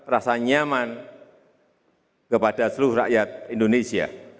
rasa nyaman kepada seluruh rakyat indonesia